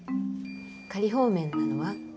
仮放免なのは？